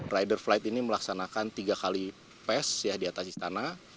rider flight ini melaksanakan tiga kali pes di atas istana